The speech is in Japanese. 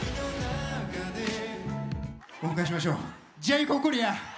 お迎えしましょうジェイコブ・コリアー！